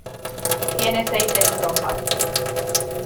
Tiene seis estrofas.